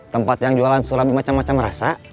tempat yang jualan surabi macam macam rasa